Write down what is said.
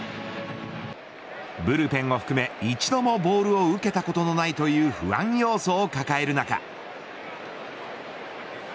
ブルペンを含め１度もボールを受けたことのないという不安要素を抱える中。